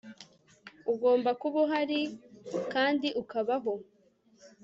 Ugomba kuba uhari kandi ukabaho